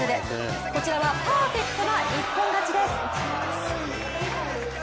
こちらはパーフェクトな一本勝ちです。